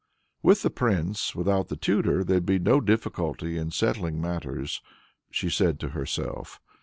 With the Prince, without the tutor, there'd be no difficulty in settling matters! she said to herself.